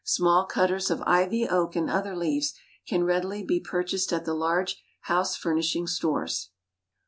Small cutters of ivy, oak, and other leaves can readily be purchased at the large house furnishing stores.